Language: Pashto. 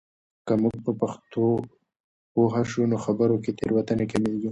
که موږ په پښتو پوه شو، نو خبرو کې تېروتنې کمېږي.